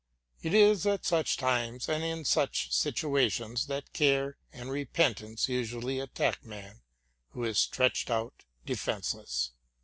It is at such times and in such situations that care and repentance usually attack man, who is stretched out defenceless.